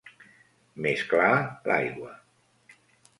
Més clar, l'aigua.